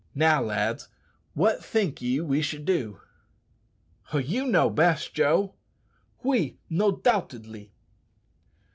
Now, lads, what think ye we should do?" "You know best, Joe." "Oui, nodoubtedly.'